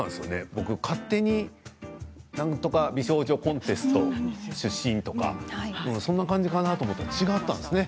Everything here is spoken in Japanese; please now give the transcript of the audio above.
僕は勝手になんとか美少女コンテスト出身とかそんな感じかなと思っていたが違ったんです。